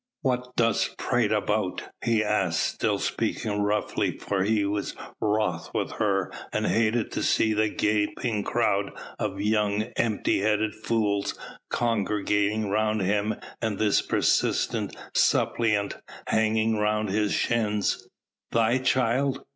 "What dost prate about?" he asked, still speaking roughly for he was wroth with her and hated to see the gaping crowd of young, empty headed fools congregating round him and this persistent suppliant hanging round his shins. "Thy child?